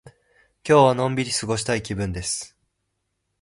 今日はのんびり過ごしたい気分です。